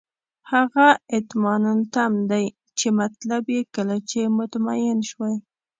هغه اطماننتم دی چې مطلب یې کله چې مطمئن شوئ.